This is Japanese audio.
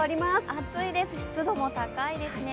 暑いです、湿度も高いですね。